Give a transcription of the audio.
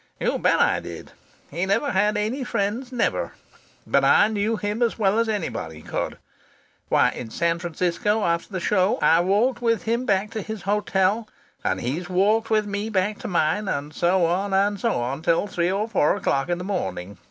"You bet I did. He never had any friends never but I knew him as well as anybody could. Why, in San Francisco, after the show, I've walked with him back to his hotel, and he's walked with me back to mine, and so on and so on till three or four o'clock in the morning.